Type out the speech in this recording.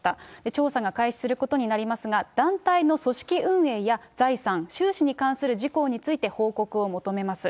調査が開始することになりますが、団体の組織運営や財産・収支に関する事項について報告を求めます。